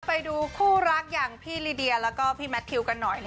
ไปดูคู่รักอย่างพี่ลิเดียแล้วก็พี่แมททิวกันหน่อย